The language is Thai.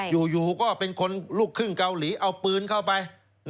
อยู่ก็เป็นคนลูกครึ่งเกาหลีเอาปืนเข้าไป